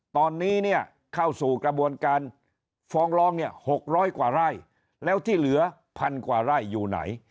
ตอนนี้เนี่ยเข้าสู่กระบวนการฟ้องร้องเนี่ย๖๐๐กว่าไร่แล้วที่เหลือพันกว่าไร่อยู่ไหน